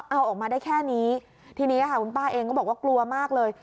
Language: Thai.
เอาออกมาได้แค่นี้ทีนี้ค่ะคุณป้าเองก็บอกว่ากลัวมากเลย